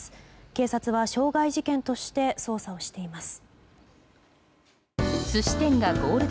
警察は傷害事件として捜査をしています。